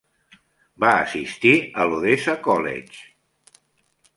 Va assistir a l'Odessa College.